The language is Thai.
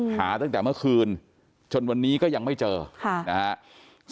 หาตั้งแต่เมื่อคืนจนวันนี้ก็ยังไม่เจอนะครับ